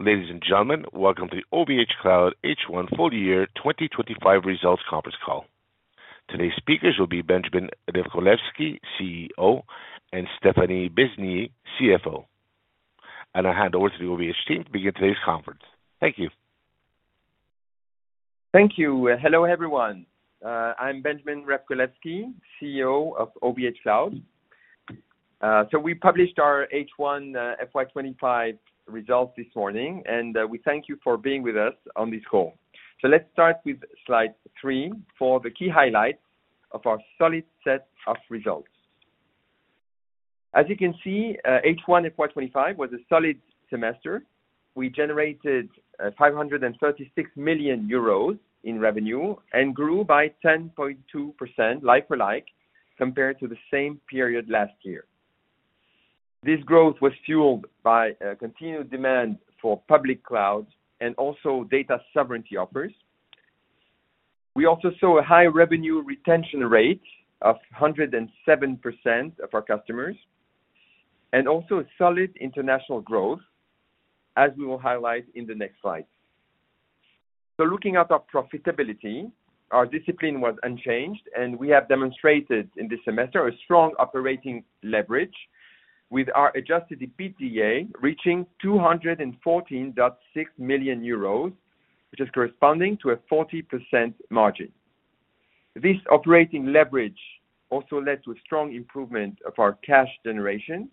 Ladies and gentlemen, welcome to the OVHcloud H1 full-year 2025 results conference call. Today's speakers will be Benjamin Revcolevschi, CEO, and Stéphanie Besnier, CFO. I will hand over to the OVHcloud team to begin today's conference. Thank you. Thank you. Hello, everyone. I'm Benjamin Revcolevschi, CEO of OVHcloud. We published our H1 FY25 results this morning, and we thank you for being with us on this call. Let's start with slide three for the key highlights of our solid set of results. As you can see, H1 FY25 was a solid semester. We generated 536 million euros in revenue and grew by 10.2%, like for like, compared to the same period last year. This growth was fueled by continued demand for Public Cloud and also data sovereignty offers. We also saw a high revenue retention rate of 107% of our customers and also solid international growth, as we will highlight in the next slide. Looking at our profitability, our discipline was unchanged, and we have demonstrated in this semester a strong operating leverage with our adjusted EBITDA reaching 214.6 million euros, which is corresponding to a 40% margin. This operating leverage also led to a strong improvement of our cash generation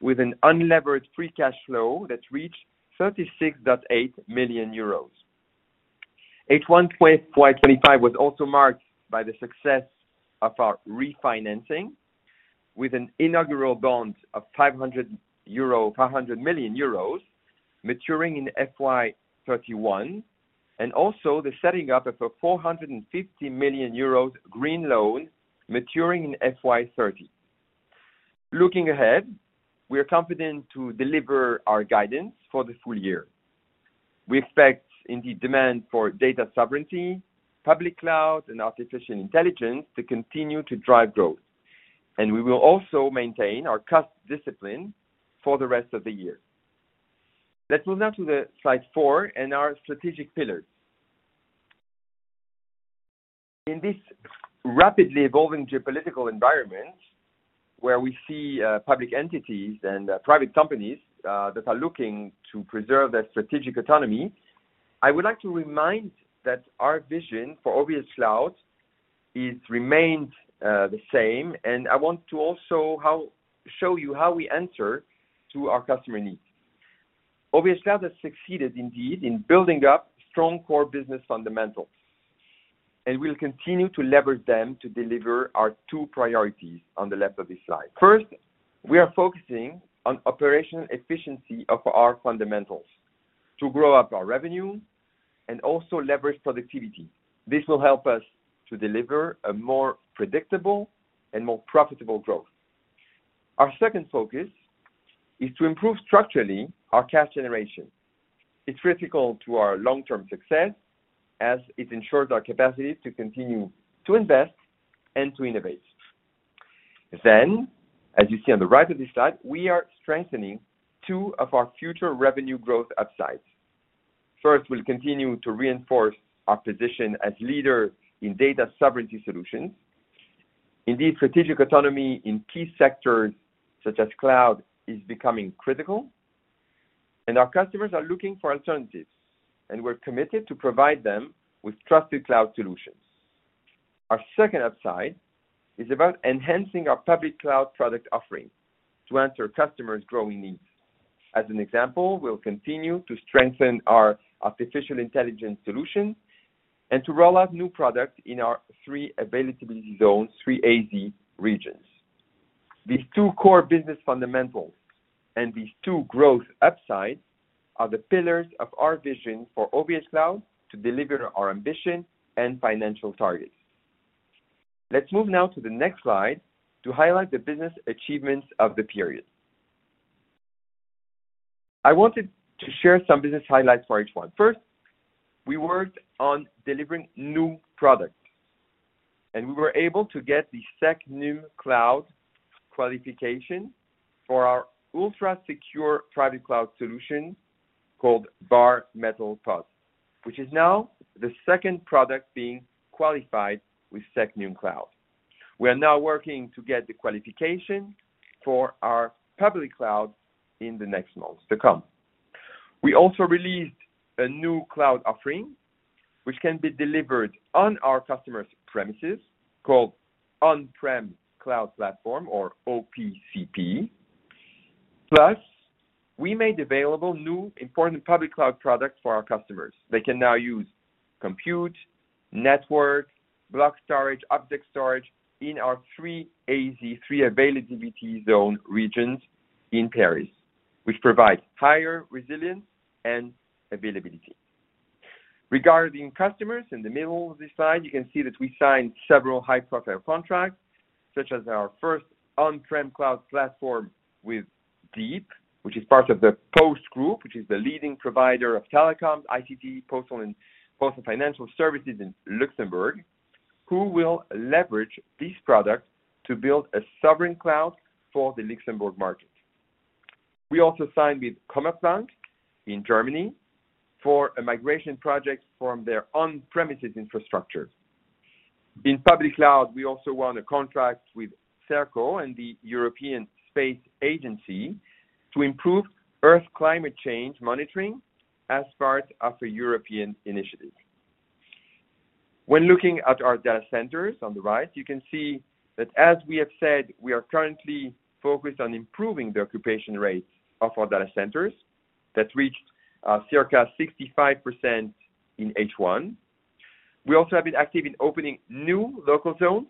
with an unlevered free cash flow that reached 36.8 million euros. H1 FY25 was also marked by the success of our refinancing with an inaugural bond of 500 million euro maturing in FY 2031 and also the setting up of a 450 million euros green loan maturing in FY 2030. Looking ahead, we are confident to deliver our guidance for the full year. We expect indeed demand for data sovereignty, Public Cloud, and artificial intelligence to continue to drive growth, and we will also maintain our cost discipline for the rest of the year. Let's move now to slide four and our strategic pillars. In this rapidly evolving geopolitical environment where we see public entities and private companies that are looking to preserve their strategic autonomy, I would like to remind that our vision for OVHcloud has remained the same, and I want to also show you how we answer to our customer needs. OVHcloud has succeeded indeed in building up strong core business fundamentals, and we'll continue to leverage them to deliver our two priorities on the left of this slide. First, we are focusing on operational efficiency of our fundamentals to grow up our revenue and also leverage productivity. This will help us to deliver a more predictable and more profitable growth. Our second focus is to improve structurally our cash generation. It's critical to our long-term success as it ensures our capacity to continue to invest and to innovate. As you see on the right of this slide, we are strengthening two of our future revenue growth upsides. First, we will continue to reinforce our position as leaders in data sovereignty solutions. Indeed, strategic autonomy in key sectors such as cloud is becoming critical, and our customers are looking for alternatives, and we are committed to provide them with trusted cloud solutions. Our second upside is about enhancing our Public Cloud product offering to answer customers' growing needs. As an example, we will continue to strengthen our artificial intelligence solutions and to roll out new products in our Availability Zones, 3-AZ regions. These two core business fundamentals and these two growth upsides are the pillars of our vision for OVHcloud to deliver our ambition and financial targets. Let's move now to the next slide to highlight the business achievements of the period. I wanted to share some business highlights for each one. First, we worked on delivering new products, and we were able to get the SecNumCloud qualification for our ultra-secure Private Cloud solution called Bare Metal Cloud, which is now the second product being qualified with SecNumCloud. We are now working to get the qualification for our Public Cloud in the next months to come. We also released a new cloud offering which can be delivered on our customers' premises called On-Prem Cloud Platform or OPCP. Plus, we made available new important Public Cloud products for our customers. They can now use compute, network, block storage, object storage in our 3-AZ, Availability Zone regions in Paris, which provide higher resilience and availability. Regarding customers in the middle of this slide, you can see that we signed several high-profile contracts such as our first On-Prem Cloud Platform with DEEP, which is part of the POST Group, which is the leading provider of telecoms, ICT, postal, and postal financial services in Luxembourg, who will leverage this product to build a sovereign cloud for the Luxembourg market. We also signed with Commerzbank in Germany for a migration project from their on-premises infrastructure. In Public Cloud, we also won a contract with Serco and the European Space Agency to improve Earth climate change monitoring as part of a European initiative. When looking at our data centers on the right, you can see that, as we have said, we are currently focused on improving the occupation rate of our data centers that reached circa 65% in H1. We also have been active in opening Local Zones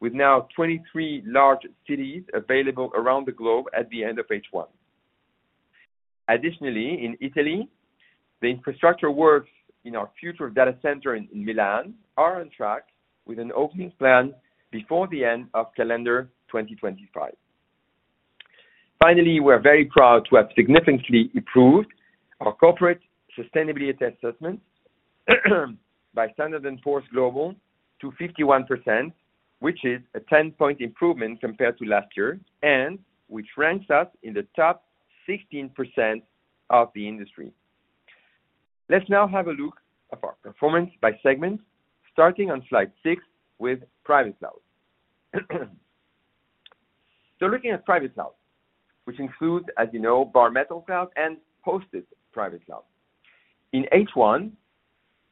with now 23 large cities available around the globe at the end of H1. Additionally, in Italy, the infrastructure works in our future data center in Milan are on track with an opening plan before the end of calendar 2025. Finally, we are very proud to have significantly improved our corporate sustainability assessment by Standard and Poor's Global to 51%, which is a 10-point improvement compared to last year and which ranks us in the top 16% of the industry. Let's now have a look at our performance by segment, starting on slide six with Private Cloud. Looking at Private Cloud, which includes, as you know, Bare Metal Cloud and Hosted Private Cloud. In H1,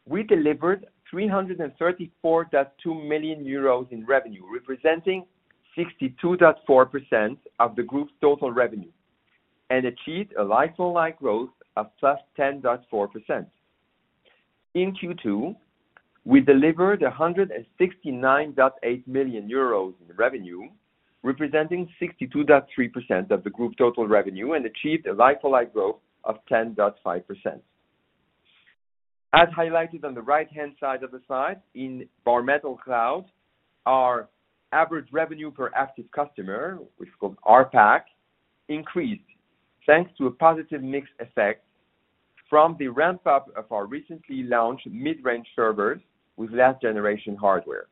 we delivered 334.2 million euros in revenue, representing 62.4% of the group's total revenue, and achieved a like-for-like growth of +10.4%. In Q2, we delivered 169.8 million euros in revenue, representing 62.3% of the group total revenue, and achieved a like-for-like growth of 10.5%. As highlighted on the right-hand side of the slide, in Bare Metal Cloud, our average revenue per active customer, which is called ARPAC, increased thanks to a positive mix effect from the ramp-up of our recently launched mid-range servers with last-generation hardware.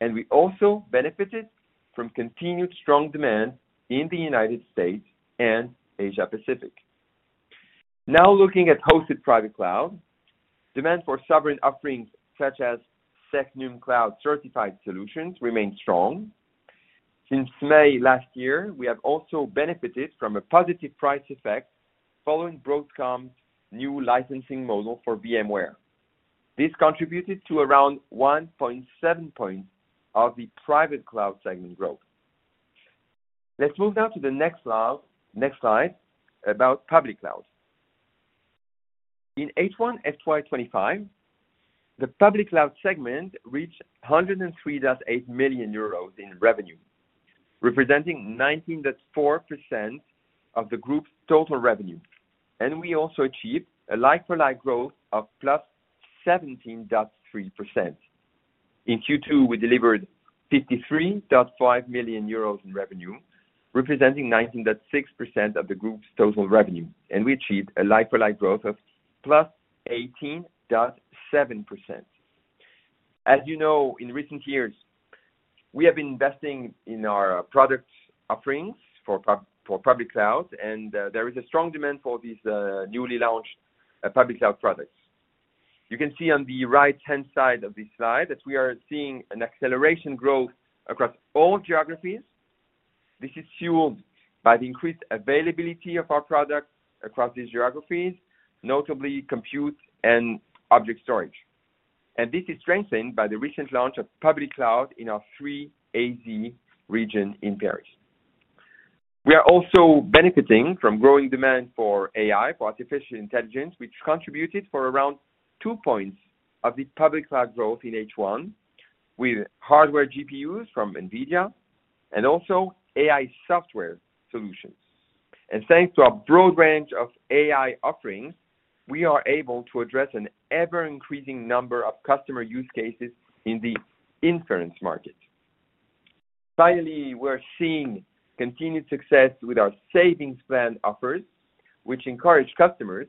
We also benefited from continued strong demand in the United States and Asia-Pacific. Now looking at Hosted Private Cloud, demand for sovereign offerings such as SecNumCloud certified solutions remained strong. Since May last year, we have also benefited from a positive price effect following Broadcom's new licensing model for VMware. This contributed to around 1.7 percentage points of the Private Cloud segment growth. Let's move now to the next slide about Public Cloud. In H1 FY 2025, the Public Cloud segment reached 103.8 million euros in revenue, representing 19.4% of the group's total revenue. We also achieved a life-for-like growth of +17.3%. In Q2, we delivered 53.5 million euros in revenue, representing 19.6% of the group's total revenue. We achieved a life-for-like growth of +18.7%. As you know, in recent years, we have been investing in our product offerings for Public Cloud, and there is a strong demand for these newly launched Public Cloud products. You can see on the right-hand side of this slide that we are seeing an acceleration growth across all geographies. This is fueled by the increased availability of our products across these geographies, notably compute and object storage. This is strengthened by the recent launch of Public Cloud in our 3-AZ region in Paris. We are also benefiting from growing demand for AI, for artificial intelligence, which contributed for around two points of the Public Cloud growth in H1 with hardware GPUs from NVIDIA and also AI software solutions. Thanks to our broad range of AI offerings, we are able to address an ever-increasing number of customer use cases in the inference market. Finally, we're seeing continued success with our Savings Plan offers, which encourage customers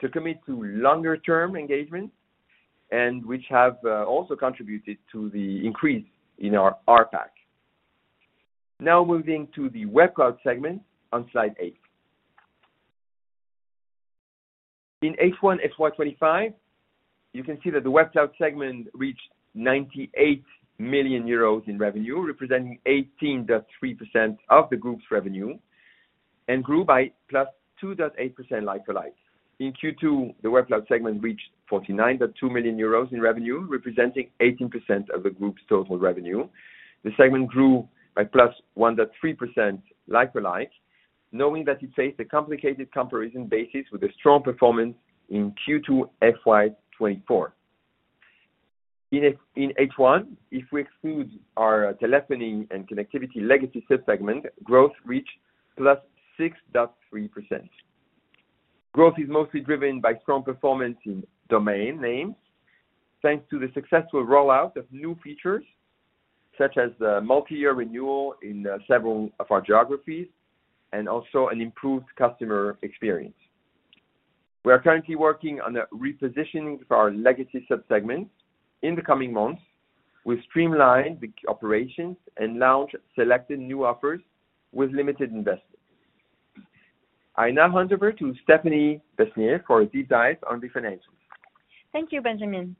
to commit to longer-term engagement and which have also contributed to the increase in our ARPAC. Now moving to the Webcloud segment on slide eight. In H1 2025, you can see that the Webcloud segment reached 98 million euros in revenue, representing 18.3% of the group's revenue, and grew by +2.8% life-for-like. In Q2, the Webcloud segment reached 49.2 million euros in revenue, representing 18% of the group's total revenue. The segment grew by +1.3% like-for-like, knowing that it faced a complicated comparison basis with a strong performance in Q2 FY 2024. In H1, if we exclude our telephony and connectivity legacy subsegment, growth reached +6.3%. Growth is mostly driven by strong performance in domain names thanks to the successful rollout of new features such as multi-year renewal in several of our geographies and also an improved customer experience. We are currently working on repositioning for our legacy subsegment in the coming months to streamline the operations and launch selected new offers with limited investment. I now hand over to Stéphanie Besnier for a deep dive on the financials. Thank you, Benjamin.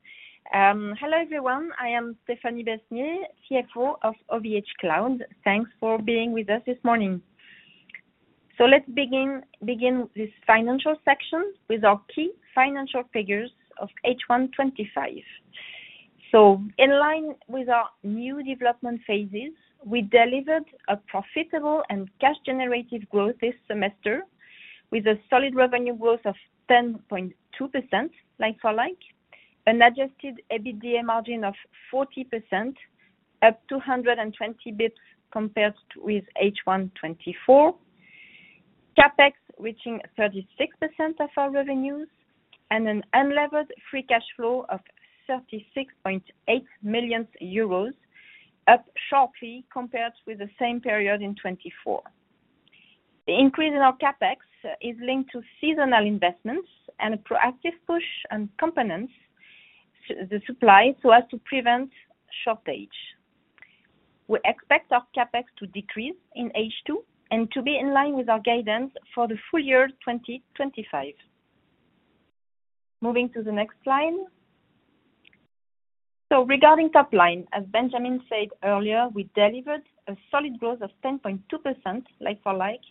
Hello everyone. I am Stéphanie Besnier, CFO of OVHcloud. Thanks for being with us this morning. Let's begin this financial section with our key financial figures of H1 2025. In line with our new development phases, we delivered a profitable and cash-generative growth this semester with a solid revenue growth of 10.2% like-for-like, an adjusted EBITDA margin of 40%, up 220 bps compared with H1 2024, CapEx reaching 36% of our revenues, and an unlevered free cash flow of 36.8 million euros, up sharply compared with the same period in 2024. The increase in our CapEx is linked to seasonal investments and a proactive push on components to the supply so as to prevent shortage. We expect our CapEx to decrease in H2 and to be in line with our guidance for the full year 2025. Moving to the next slide. Regarding top line, as Benjamin said earlier, we delivered a solid growth of 10.2% like-for-like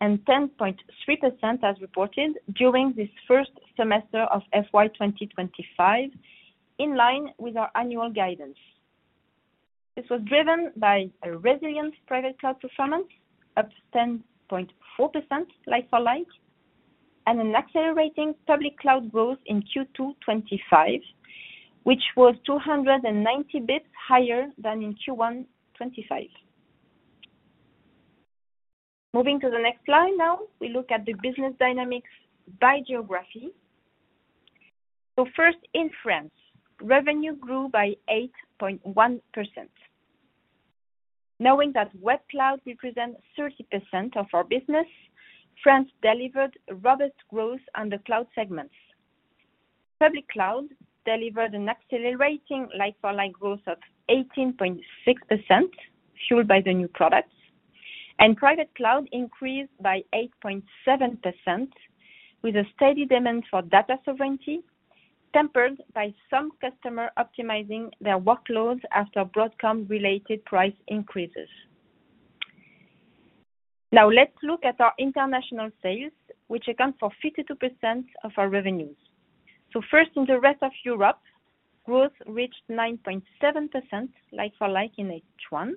and 10.3%, as reported, during this first semester of FY 2025, in line with our annual guidance. This was driven by a resilient Private Cloud performance of 10.4% life-for-like and an accelerating Public Cloud growth in Q2 2025, which was 290 bps higher than in Q1 2025. Moving to the next slide now, we look at the business dynamics by geography. First, in France, revenue grew by 8.1%. Knowing that Webcloud represents 30% of our business, France delivered robust growth on the cloud segments. Public Cloud delivered an accelerating life-for-like growth of 18.6%, fueled by the new products, and Private Cloud increased by 8.7% with a steady demand for data sovereignty, tempered by some customers optimizing their workloads after Broadcom-related price increases. Now let's look at our international sales, which account for 52% of our revenues. First, in the rest of Europe, growth reached 9.7% life-for-like in H1.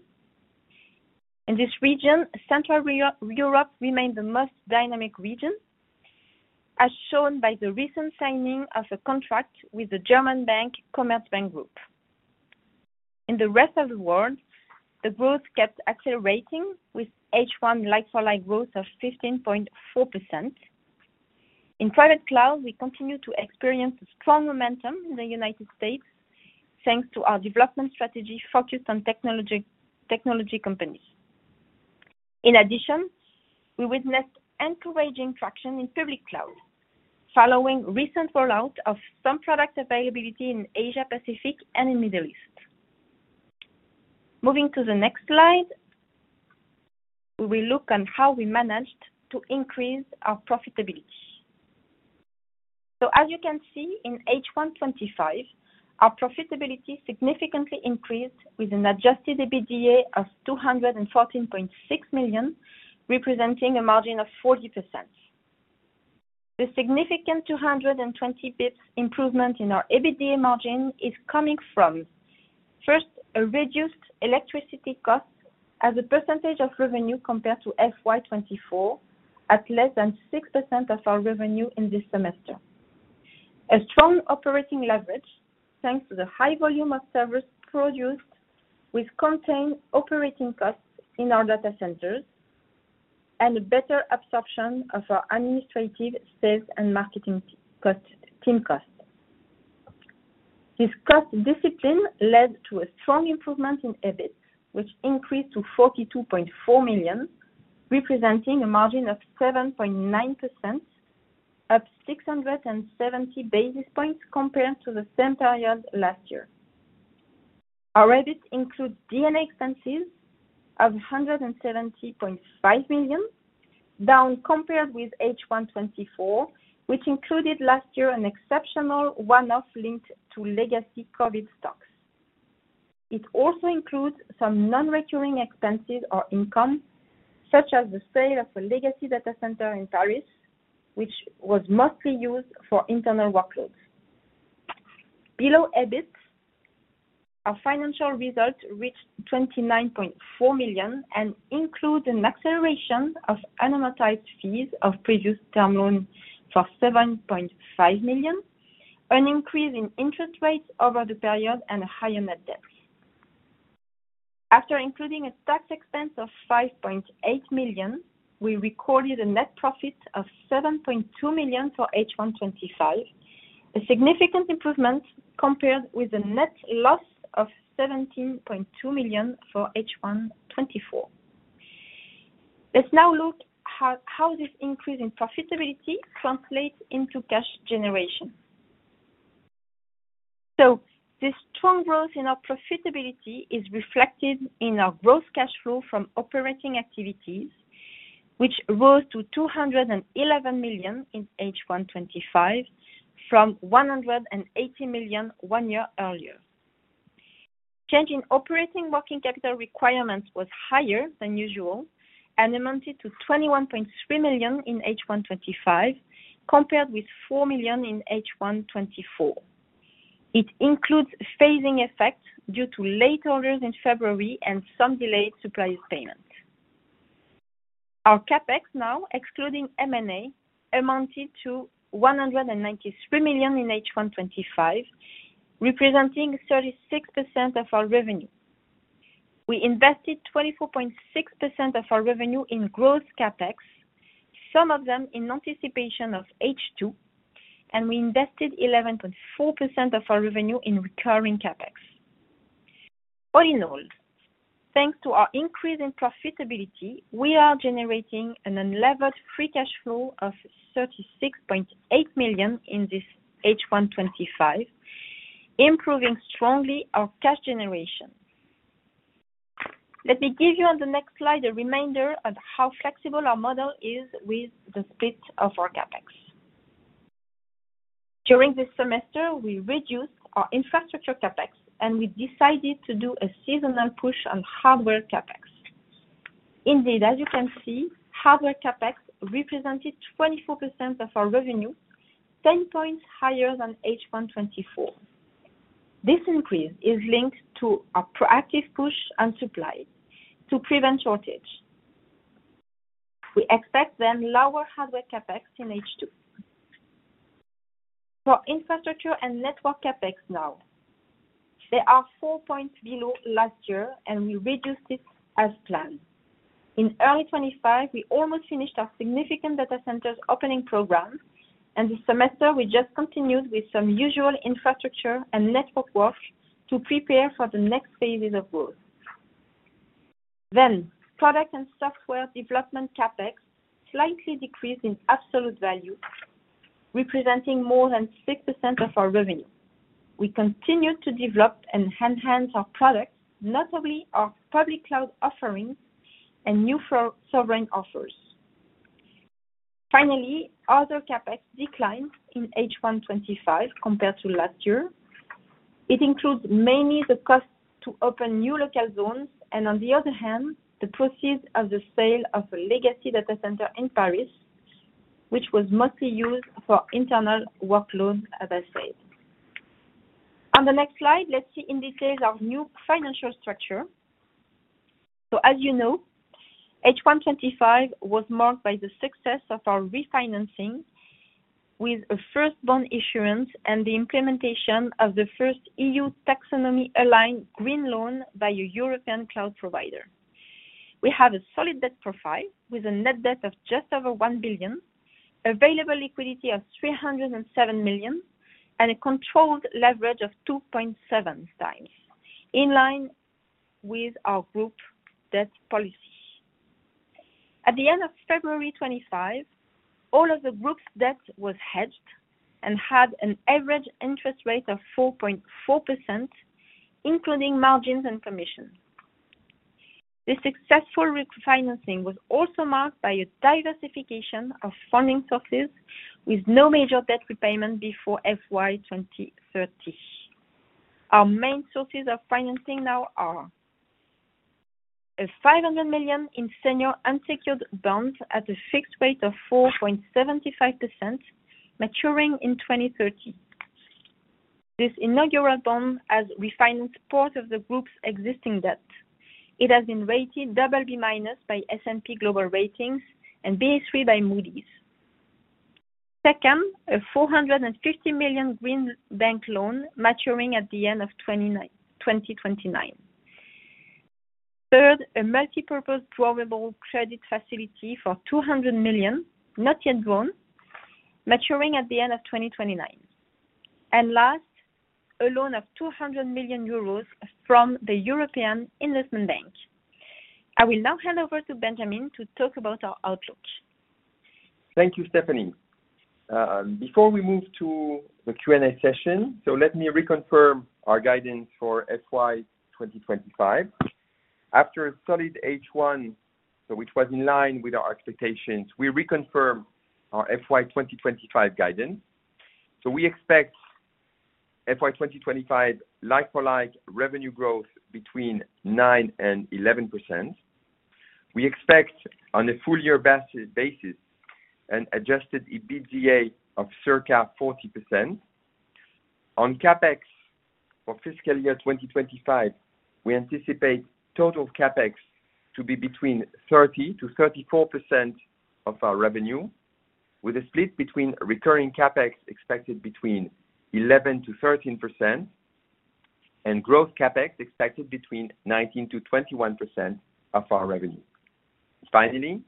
In this region, Central Europe remained the most dynamic region, as shown by the recent signing of a contract with the German bank Commerzbank Group. In the rest of the world, the growth kept accelerating with H1 like-for-like growth of 15.4%. In Private Cloud, we continue to experience a strong momentum in the United States thanks to our development strategy focused on technology companies. In addition, we witnessed encouraging traction in Public Cloud following recent rollout of some product availability in Asia-Pacific and in the Middle East. Moving to the next slide, we will look at how we managed to increase our profitability. As you can see, in H1 2025, our profitability significantly increased with an adjusted EBITDA of 214.6 million, representing a margin of 40%. The significant 220 bps improvement in our EBITDA margin is coming from, first, a reduced electricity cost as a percentage of revenue compared to FY 2024 at less than 6% of our revenue in this semester, a strong operating leverage thanks to the high volume of service produced with contained operating costs in our data centers, and a better absorption of our administrative sales and marketing team costs. This cost discipline led to a strong improvement in EBIT, which increased to 42.4 million, representing a margin of 7.9%, up 670 basis points compared to the same period last year. Our EBIT includes G&A expenses of 170.5 million, down compared with H1 2024, which included last year an exceptional one-off linked to legacy COVID stocks. It also includes some non-recurring expenses or income, such as the sale of a legacy data center in Paris, which was mostly used for internal workloads. Below EBIT, our financial results reached 29.4 million and include an acceleration of amortized fees of previous term loan for 7.5 million, an increase in interest rates over the period, and a higher net debt. After including a tax expense of 5.8 million, we recorded a net profit of 7.2 million for H1 2025, a significant improvement compared with a net loss of 17.2 million for H1 2024. Let's now look at how this increase in profitability translates into cash generation. This strong growth in our profitability is reflected in our gross cash flow from operating activities, which rose to 211 million in H1 2025 from 180 million one year earlier. Change in operating working capital requirements was higher than usual and amounted to 21.3 million in H1 2025, compared with 4 million in H1 2024. It includes phasing effects due to late orders in February and some delayed supplier payments. Our CapEx, now excluding M&A, amounted to 193 million in H1 2025, representing 36% of our revenue. We invested 24.6% of our revenue in growth CapEx, some of them in anticipation of H2, and we invested 11.4% of our revenue in recurring CapEx. All in all, thanks to our increase in profitability, we are generating an unlevered free cash flow of 36.8 million in this H1 2025, improving strongly our cash generation. Let me give you on the next slide a reminder of how flexible our model is with the split of our CapEx. During this semester, we reduced our infrastructure CapEx, and we decided to do a seasonal push on hardware CapEx. Indeed, as you can see, hardware CapEx represented 24% of our revenue, 10 points higher than H1 2024. This increase is linked to a proactive push on supply to prevent shortage. We expect then lower hardware CapEx in H2. For infrastructure and network CapEx now, they are four points below last year, and we reduced it as planned. In early 2025, we almost finished our significant data centers opening program, and this semester, we just continued with some usual infrastructure and network work to prepare for the next phases of growth. Product and software development CapEx slightly decreased in absolute value, representing more than 6% of our revenue. We continued to develop and enhance our products, notably our Public Cloud offerings and new sovereign offers. Finally, other CapEx declined in H1 2025 compared to last year. It includes mainly the cost to open Local Zones, and on the other hand, the proceeds of the sale of a legacy data center in Paris, which was mostly used for internal workload as I said. On the next slide, let's see in detail our new financial structure. As you know, H1 2025 was marked by the success of our refinancing with a first bond issuance and the implementation of the first EU Taxonomy-aligned Green Loan by a European cloud provider. We have a solid debt profile with a net debt of just over 1 billion, available liquidity of 307 million, and a controlled leverage of 2.7x, in line with our group debt policy. At the end of February 2025, all of the group's debt was hedged and had an average interest rate of 4.4%, including margins and commission. This successful refinancing was also marked by a diversification of funding sources with no major debt repayment before FY 2030. Our main sources of financing now are a 500 million senior unsecured bond at a fixed rate of 4.75%, maturing in 2030. This inaugural bond has refinanced part of the group's existing debt. It has been rated BB- by S&P Global Ratings and Ba3 by Moody's. Second, a 450 million green bank loan maturing at the end of 2029. Third, a multipurpose drawable credit facility for 200 million, not yet drawn, maturing at the end of 2029. Last, a loan of 200 million euros from the European Investment Bank. I will now hand over to Benjamin to talk about our outlook. Thank you, Stéphanie. Before we move to the Q&A session, let me reconfirm our guidance for FY 2025. After a solid H1, which was in line with our expectations, we reconfirm our FY 2025 guidance. We expect FY 2025 like-for-like revenue growth between 9%-11%. We expect on a full year basis an adjusted EBITDA of circa 40%. On CapEx for fiscal year 2025, we anticipate total CapEx to be between 30%-34% of our revenue, with a split between recurring CapEx expected between 11%-13% and growth CapEx expected between 19%-21% of our revenue. Finally,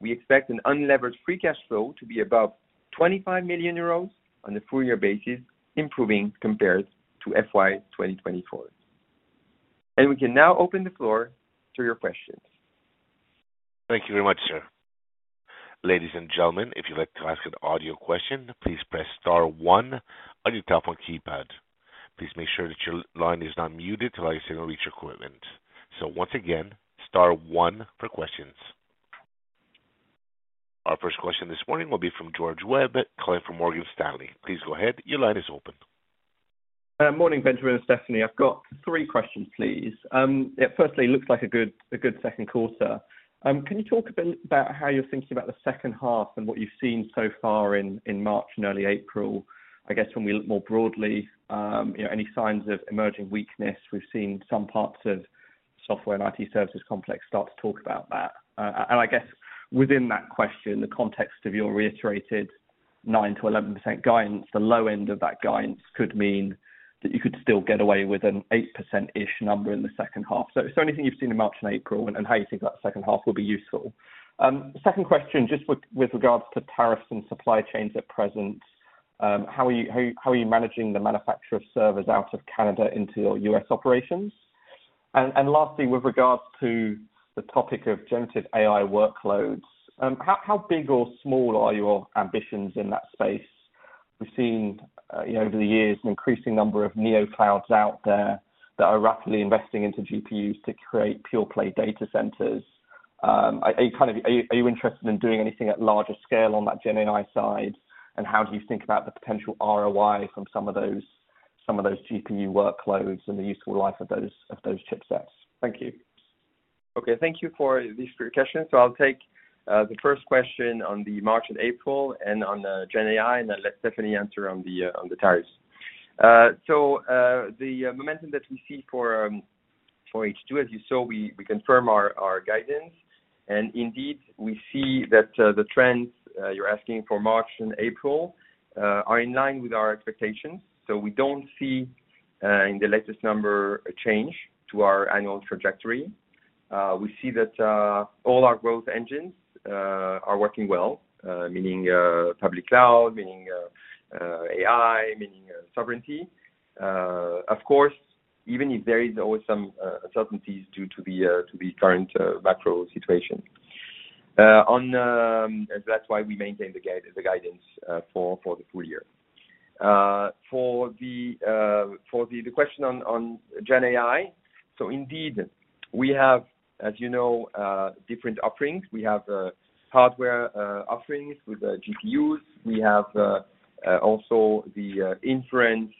we expect an unlevered free cash flow to be above 25 million euros on a full year basis, improving compared to FY 2024. We can now open the floor to your questions. Thank you very much, sir. Ladies and gentlemen, if you'd like to ask an audio question, please press star one on your touchtone keypad. Please make sure that your line is not muted while you're sitting on reach equipment. Once again, star one for questions. Our first question this morning will be from George Webb calling from Morgan Stanley. Please go ahead. Your line is open. Morning, Benjamin and Stéphanie. I've got three questions, please. Firstly, it looks like a good second quarter. Can you talk a bit about how you're thinking about the second half and what you've seen so far in March and early April? I guess when we look more broadly, any signs of emerging weakness? We've seen some parts of software and IT services complex start to talk about that. I guess within that question, the context of your reiterated 9%-11% guidance, the low end of that guidance could mean that you could still get away with an 8 percent-ish number in the second half. Is there anything you've seen in March and April, and how you think that second half will be useful? Second question, just with regards to tariffs and supply chains at present, how are you managing the manufacture of servers out of Canada into your U.S. operations? Lastly, with regards to the topic of generative AI workloads, how big or small are your ambitions in that space? We've seen over the years an increasing number of NeoClouds out there that are rapidly investing into GPUs to create pure-play data centers. Are you interested in doing anything at larger scale on that GenAI side, and how do you think about the potential ROI from some of those GPU workloads and the useful life of those chipsets? Thank you. Okay. Thank you for these three questions. I'll take the first question on the March and April and on GenAI, and then let Stéphanie answer on the tariffs. The momentum that we see for H2, as you saw, we confirm our guidance. Indeed, we see that the trends you're asking for March and April are in line with our expectations. We don't see in the latest number a change to our annual trajectory. We see that all our growth engines are working well, meaning Public Cloud, meaning AI, meaning sovereignty. Of course, even if there is always some uncertainties due to the current macro situation. That's why we maintain the guidance for the full year. For the question on GenAI, indeed, we have, as you know, different offerings. We have hardware offerings with GPUs. We have also the inference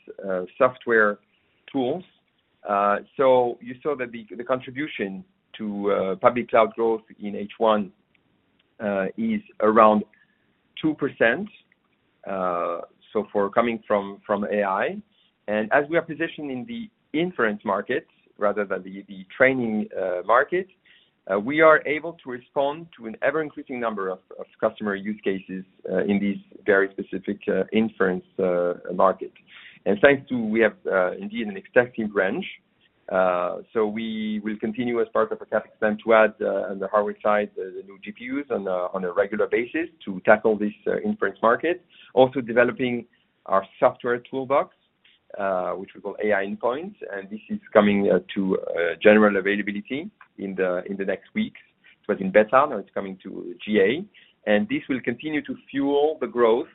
software tools. You saw that the contribution to Public Cloud growth in H1 is around 2% so far coming from AI. As we are positioned in the inference market rather than the training market, we are able to respond to an ever-increasing number of customer use cases in these very specific inference markets. Thanks to that, we have indeed an exciting range. We will continue, as part of our CapEx plan, to add on the hardware side the new GPUs on a regular basis to tackle this inference market. Also developing our software toolbox, which we call AI Endpoints, and this is coming to general availability in the next weeks. It was in beta, now it is coming to GA. This will continue to fuel the growth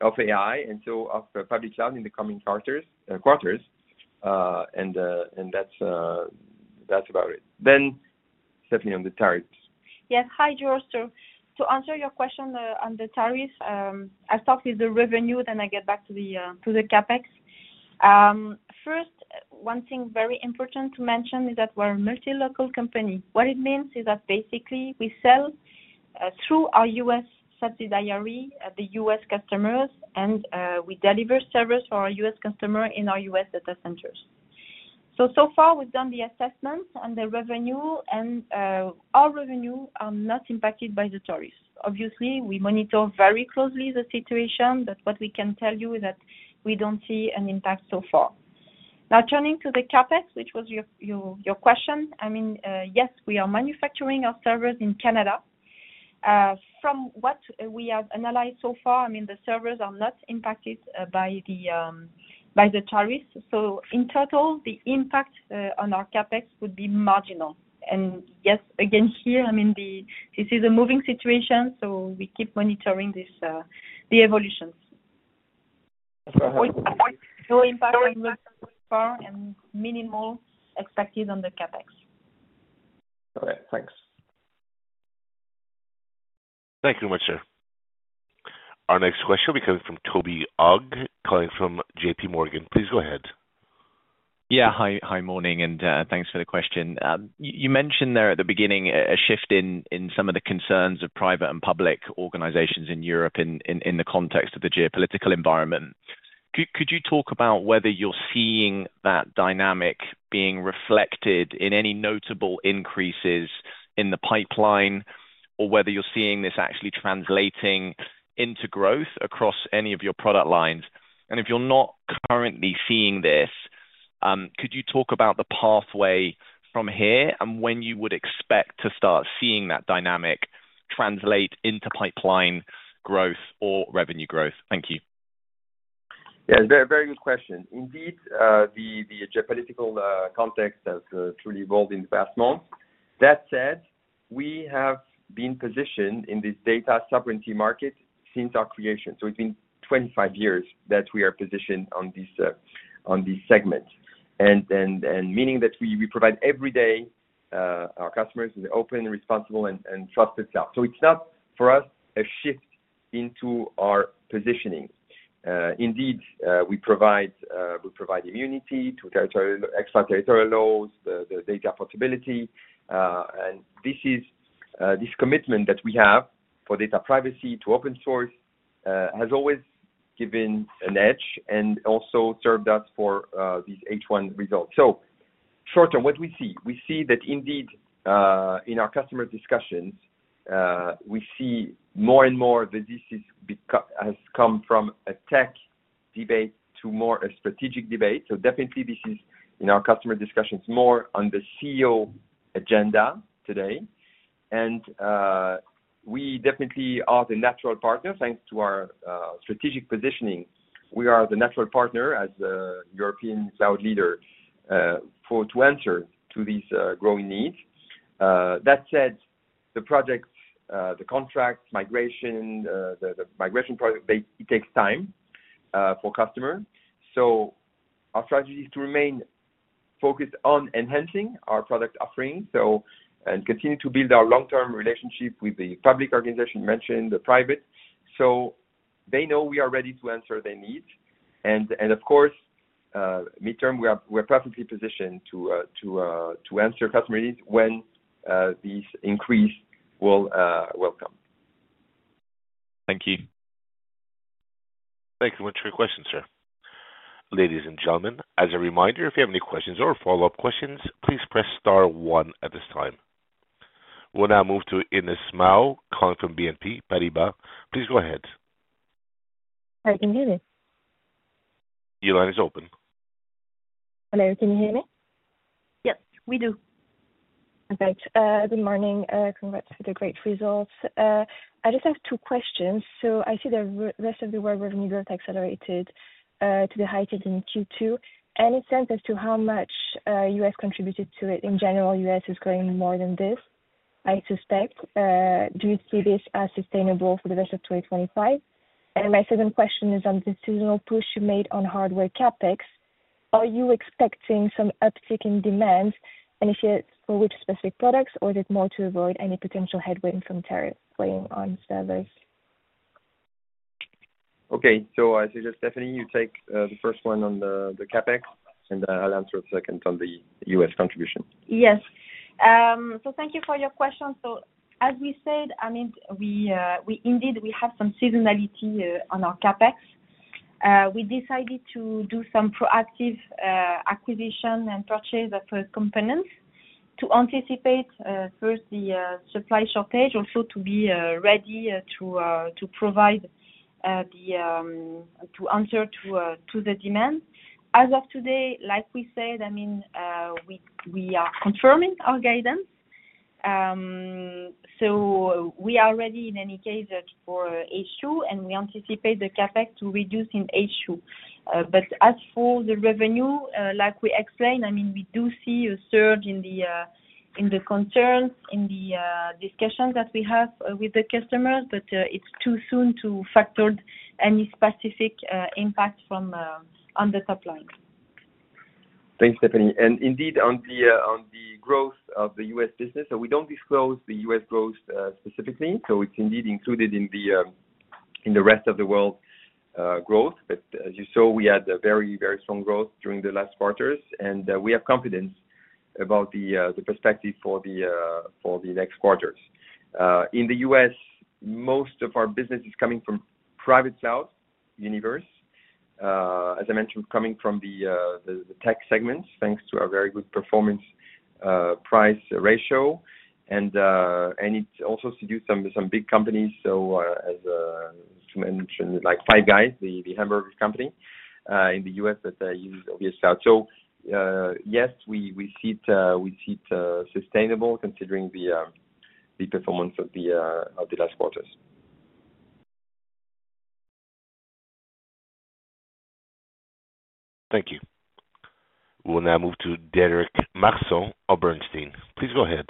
of AI and so of Public Cloud in the coming quarters. That is about it. Stéphanie, on the tariffs. Yes. Hi, George. To answer your question on the tariffs, I'll start with the revenue, then I get back to the CapEx. First, one thing very important to mention is that we're a multilocal company. What it means is that basically we sell through our U.S. subsidiary, the U.S. customers, and we deliver service for our U.S. customers in our U.S. data centers. So far, we've done the assessment on the revenue, and our revenue are not impacted by the tariffs. Obviously, we monitor very closely the situation, but what we can tell you is that we don't see an impact so far. Now, turning to the CapEx, which was your question, I mean, yes, we are manufacturing our servers in Canada. From what we have analyzed so far, I mean, the servers are not impacted by the tariffs. In total, the impact on our CapEx would be marginal. Yes, again, here, I mean, this is a moving situation, so we keep monitoring the evolutions. No impact on revenue so far and minimal expected on the CapEx. Okay. Thanks. Thank you very much, sir. Our next question will be coming from Toby Ogg calling from JPMorgan. Please go ahead. Yeah. Hi, morning, and thanks for the question. You mentioned there at the beginning a shift in some of the concerns of private and public organizations in Europe in the context of the geopolitical environment. Could you talk about whether you're seeing that dynamic being reflected in any notable increases in the pipeline or whether you're seeing this actually translating into growth across any of your product lines? If you're not currently seeing this, could you talk about the pathway from here and when you would expect to start seeing that dynamic translate into pipeline growth or revenue growth? Thank you. Yeah. Very good question. Indeed, the geopolitical context has truly evolved in the past months. That said, we have been positioned in this data sovereignty market since our creation. It has been 25 years that we are positioned on this segment, meaning that we provide every day our customers with an open, responsible, and trusted staff. It is not for us a shift into our positioning. Indeed, we provide immunity to extraterritorial laws, the data possibility. This commitment that we have for data privacy to open source has always given an edge and also served us for these H1 results. Short term, what we see? We see that indeed, in our customer discussions, we see more and more that this has come from a tech debate to more a strategic debate. This is, in our customer discussions, more on the CEO agenda today. We definitely are the natural partner. Thanks to our strategic positioning, we are the natural partner as a European cloud leader to answer to these growing needs. That said, the project, the contract migration, the migration project, it takes time for customers. Our strategy is to remain focused on enhancing our product offerings and continue to build our long-term relationship with the public organization you mentioned, the private. They know we are ready to answer their needs. Of course, midterm, we are perfectly positioned to answer customer needs when this increase will come. Thank you. Thank you very much for your questions, sir. Ladies and gentlemen, as a reminder, if you have any questions or follow-up questions, please press star one at this time. We'll now move to Ines Mao calling from BNP Paribas. Please go ahead. Hello. Can you hear me? Your line is open. Hello. Can you hear me? Yes. We do. Perfect. Good morning. Congrats for the great results. I just have two questions. I see the rest of the world revenue growth accelerated to the height in Q2. Any sense as to how much U.S. contributed to it? In general, U.S. is growing more than this, I suspect. Do you see this as sustainable for the rest of 2025? My second question is on the seasonal push you made on hardware CapEx. Are you expecting some uptick in demand? If yes. For which specific products, or is it more to avoid any potential headwind from tariffs playing on servers? Okay. I suggest, Stéphanie, you take the first one on the CapEx, and I'll answer the second on the U.S. contribution. Yes. Thank you for your question. As we said, I mean, indeed, we have some seasonality on our CapEx. We decided to do some proactive acquisition and purchase of components to anticipate first the supply shortage, also to be ready to provide the to answer to the demand. As of today, like we said, I mean, we are confirming our guidance. We are ready in any case for H2, and we anticipate the CapEx to reduce in H2. As for the revenue, like we explained, I mean, we do see a surge in the concerns in the discussions that we have with the customers, but it's too soon to factor any specific impact on the top line. Thanks, Stéphanie. Indeed, on the growth of the U.S. business, we do not disclose the U.S. growth specifically. It is included in the rest of the world growth. As you saw, we had very, very strong growth during the last quarters, and we have confidence about the perspective for the next quarters. In the U.S., most of our business is coming from Private Cloud universe, as I mentioned, coming from the tech segments thanks to our very good performance-price ratio. It is also to do some big companies. As you mentioned, like Five Guys, the hamburger company in the U.S. that uses OVHcloud. Yes, we see it sustainable considering the performance of the last quarters. Thank you. We'll now move to Derric Marcon of Bernstein. Please go ahead.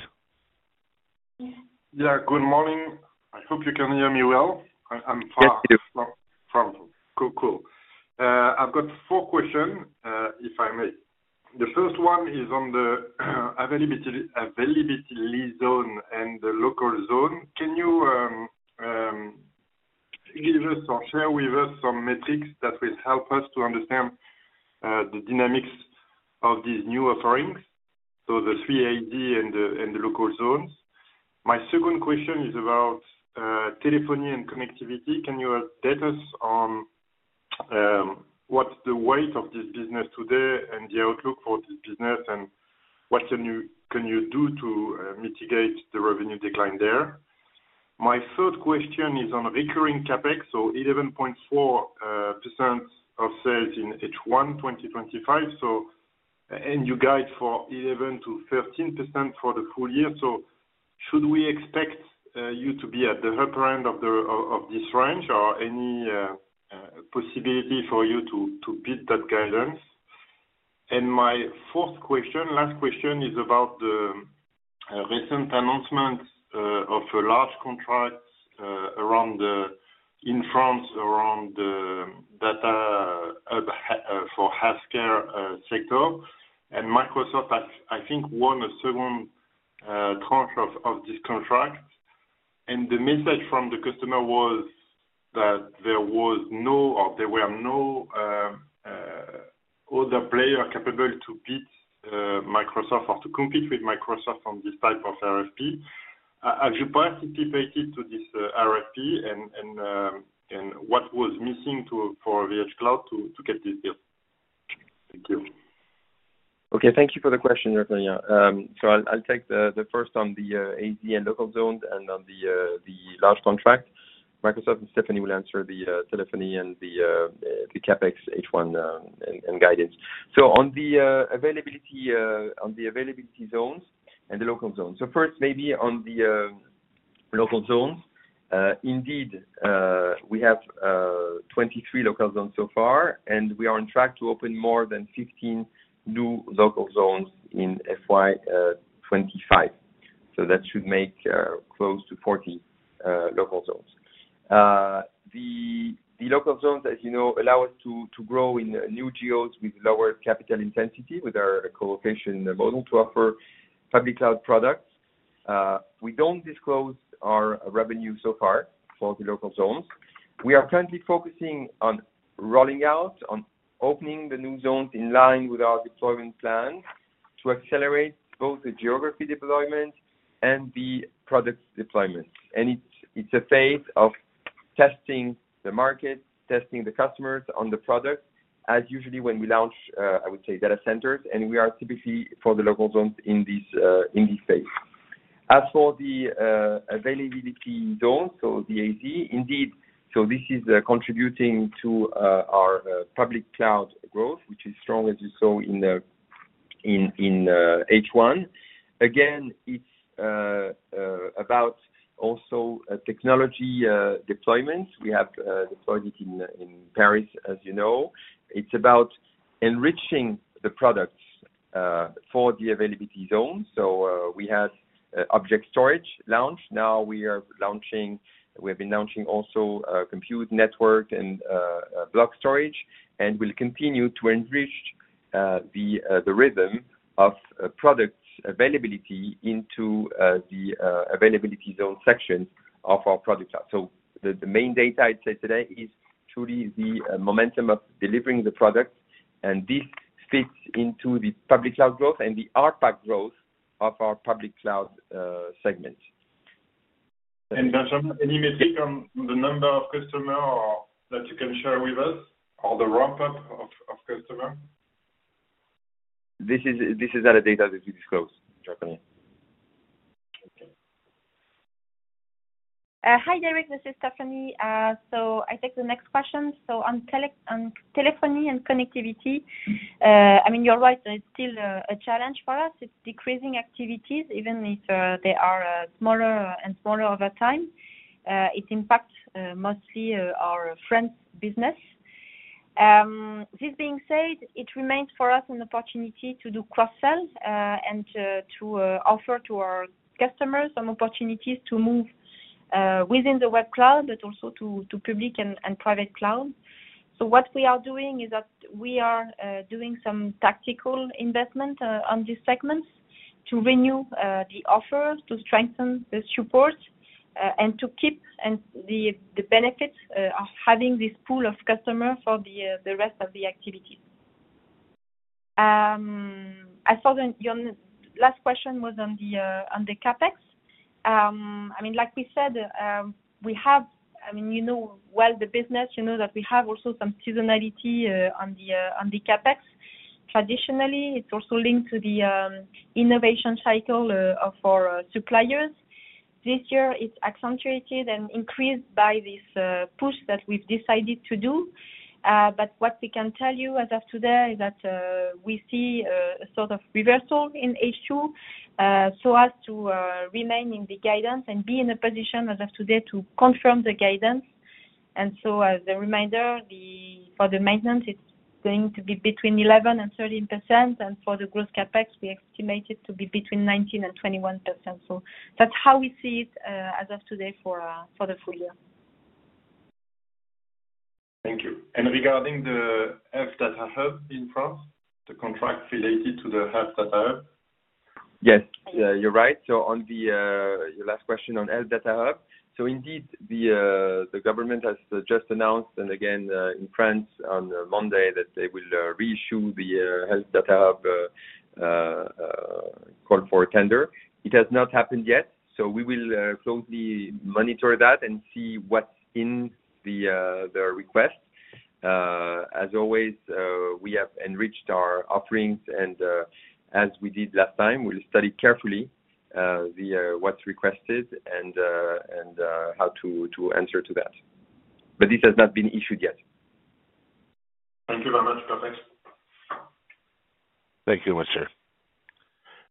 Yeah. Good morning. I hope you can hear me well. I'm from. I've got four questions, if I may. The first one is on Availability Zone and the Local Zone. Can you give us or share with us some metrics that will help us to understand the dynamics of these new offerings, so the 3-AZ and Local Zones? my second question is about telephony and connectivity. Can you let us on what's the weight of this business today and the outlook for this business, and what can you do to mitigate the revenue decline there? My third question is on recurring CapEx. 11.4% of sales in H1 2025, and you guide for 11%-13% for the full year. Should we expect you to be at the upper end of this range or any possibility for you to beat that guidance? My fourth question, last question, is about the recent announcement of large contracts in France around the data hub for healthcare sector. Microsoft, I think, won a second tranche of this contract. The message from the customer was that there was no or there were no other player capable to beat Microsoft or to compete with Microsoft on this type of RFP. Have you participated to this RFP, and what was missing for the edge cloud to get this deal? Thank you. Thank you for the question, [Derric]. I'll take the first on the AZ Local Zones and on the large contract. Microsoft and Stéphanie will answer the telephony and the CapEx H1 and guidance. On Availability Zones and Local Zones. first, maybe on Local Zones. indeed, we have 23 Local Zones so far, and we are on track to open more than 15 Local Zones in FY 2025. That should make close to 40 Local Zones, as you know, allow us to grow in new geos with lower capital intensity with our colocation model to offer Public Cloud products. We do not disclose our revenue so far for Local Zones. we are currently focusing on rolling out, on opening the new zones in line with our deployment plan to accelerate both the geography deployment and the product deployment. It is a phase of testing the market, testing the customers on the product, as usually when we launch, I would say, data centers. We are typically for Local Zones in this phase. As for Availability Zone, so the AZ, indeed, this is contributing to our Public Cloud growth, which is strong, as you saw in H1. Again, it's about also technology deployments. We have deployed it in Paris, as you know. It's about enriching the products for Availability Zones. we had object storage launch. Now we are launching, we have been launching also compute, network, and block storage, and we'll continue to enrich the rhythm of product availability into Availability Zone sections of our product cloud. The main data, I'd say, today is truly the momentum of delivering the product, and this fits into the Public Cloud growth and the ARPAC growth of our Public Cloud segment. Is there any metric on the number of customers that you can share with us or the ramp-up of customers? This is other data that we disclose. Stéphanie. Hi, Derric. This is Stéphanie. I take the next question. On telephony and connectivity, I mean, you're right, it's still a challenge for us. It's decreasing activities, even if they are smaller and smaller over time. It impacts mostly our French business. This being said, it remains for us an opportunity to do cross-sell and to offer to our customers some opportunities to move within the Webcloud, but also to Public and Private Cloud. What we are doing is that we are doing some tactical investment on these segments to renew the offers, to strengthen the support, and to keep the benefits of having this pool of customers for the rest of the activities. I saw the last question was on the CapEx. I mean, like we said, we have, I mean, you know well the business, you know that we have also some seasonality on the CapEx. Traditionally, it's also linked to the innovation cycle of our suppliers. This year, it's accentuated and increased by this push that we've decided to do. What we can tell you as of today is that we see a sort of reversal in H2 so as to remain in the guidance and be in a position as of today to confirm the guidance. As a reminder, for the maintenance, it's going to be between 11% and 13%, and for the gross CapEx, we estimate it to be between 19% and 21%. That's how we see it as of today for the full year. Thank you. Regarding the Health Data Hub in France, the contract related to the Health Data Hub? Yes, you're right. On your last question on Health Data Hub, indeed, the government has just announced, again in France on Monday, that they will reissue the Health Data Hub call for tender. It has not happened yet. We will closely monitor that and see what's in the request. As always, we have enriched our offerings, and as we did last time, we'll study carefully what's requested and how to answer to that. This has not been issued yet. Thank you very much. Perfect. Thank you very much, sir.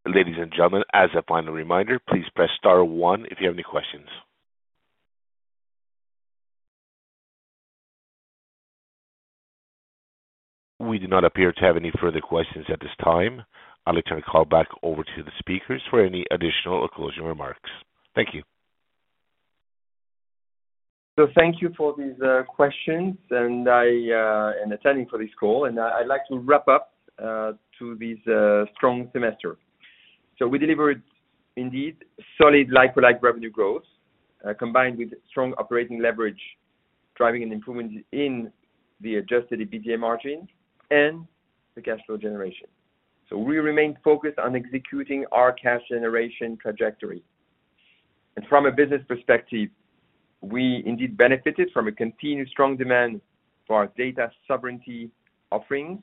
Ladies and gentlemen, as a final reminder, please press star one if you have any questions. We do not appear to have any further questions at this time. I'll return the call back over to the speakers for any additional or closing remarks. Thank you. Thank you for these questions and attending for this call. I'd like to wrap up to this strong semester. We delivered, indeed, solid like-for-like revenue growth combined with strong operating leverage, driving an improvement in the adjusted EBITDA margin and the cash flow generation. We remain focused on executing our cash generation trajectory. From a business perspective, we indeed benefited from a continued strong demand for our data sovereignty offerings,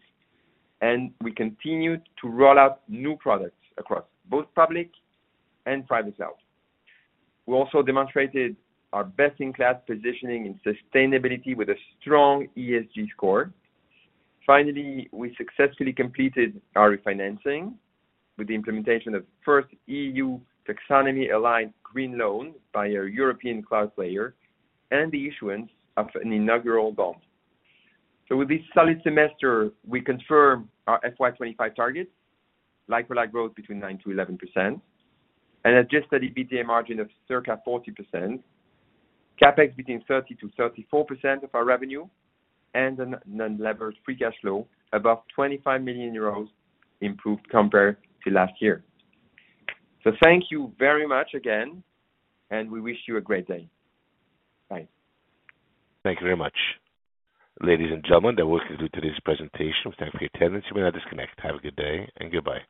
and we continued to roll out new products across both Public and Private Cloud. We also demonstrated our best-in-class positioning in sustainability with a strong ESG score. Finally, we successfully completed our refinancing with the implementation of the first EU Taxonomy-aligned Green Loan by a European cloud player and the issuance of an inaugural bond. With this solid semester, we confirm our FY 2025 target, like-for-like growth between 9%-11%, an adjusted EBITDA margin of circa 40%, CapEx between 30%-34% of our revenue, and a non-leveraged free cash flow above 25 million euros, improved compared to last year. Thank you very much again, and we wish you a great day. Bye. Thank you very much. Ladies and gentlemen, that will conclude today's presentation. We thank you for your attendance. You may now disconnect. Have a good day and goodbye.